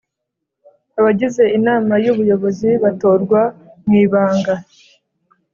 Abagize Inama y ubuyobozi batorwa mu ibanga